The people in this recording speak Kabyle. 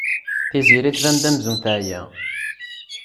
Tiziri tban-d amzun teɛya.